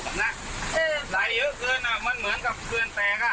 ไหลเยอะเกินมันเหมือนกับเกินแตก